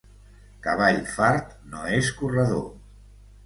Cavall fart no és corredor.